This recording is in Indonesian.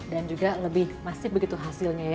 dan juga lebih masih begitu hasilnya ya